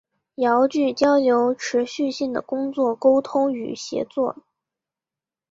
遥距交流持续性的工作沟通与协作